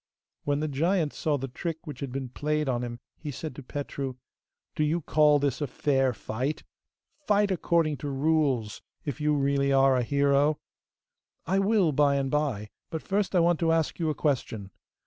When the giant saw the trick which had been played on him he said to Petru. 'Do you call this a fair fight? Fight according to rules, if you really are a hero!' 'I will by and by, but first I want to ask you a question!